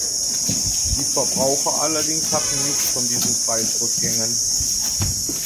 Die Verbraucher allerdings hatten nichts von diesen Preisrückgängen.